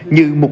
như một lời